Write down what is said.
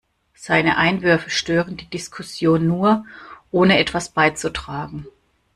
Seine Einwürfe stören die Diskussion nur, ohne etwas beizutragen.